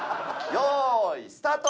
よいスタート。